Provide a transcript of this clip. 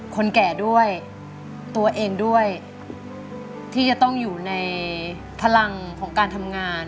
คนแก่ด้วยตัวเองด้วยที่จะต้องอยู่ในพลังของการทำงาน